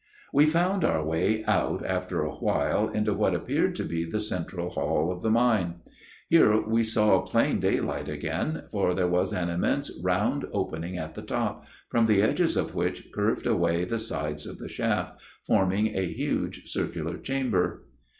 " We found our way out after a while into what appeared to be the central hall of the mine. Here we saw plain daylight again, for there was an immense round opening at the top, from the edges of which curved away the sides of the shaft, forming a huge circular chamber.